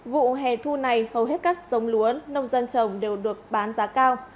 vụ hè thu này hầu hết các giống lúa nông dân trồng đều được bán giá cao